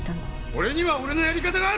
俺には俺のやり方がある！